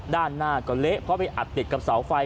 ด้านหน้าก็เละเพราะไปอัดติดกับเสาไฟ